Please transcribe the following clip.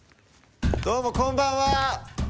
どうもこんばんは。